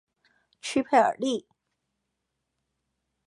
屈佩尔利。